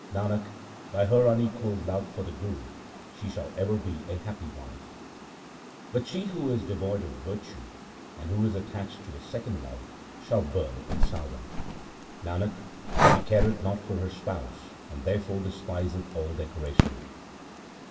Nanak, by her unequalled love for the Guru she shall ever be a happy wife ; But she who is devoid of virtue, and who is attached to a second love shall burn in Sawan. Nanak, she careth not for her spouse, and therefore despiseth all decoration.